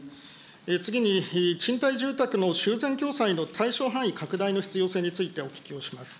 次に賃貸住宅の修繕共済の対象範囲拡大の必要性についてお聞きをします。